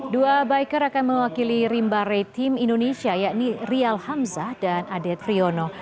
dua biker akan mewakili rimba ray tim indonesia yakni rial hamzah dan adet friono